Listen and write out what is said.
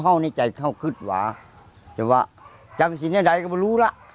เขาในใจเขาขึ้นเว้าะแบบว่าจังสิเนี่ยใดก็ไม่รู้ละ